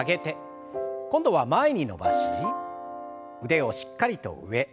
今度は前に伸ばし腕をしっかりと上。